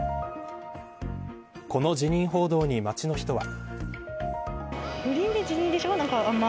この辞任報道に街の人は。